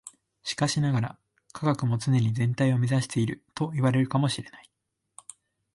しかしながら、科学も常に全体を目指しているといわれるかも知れない。